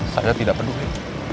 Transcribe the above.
saya tidak peduli